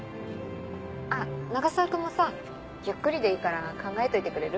あっ永沢君もさゆっくりでいいから考えといてくれる？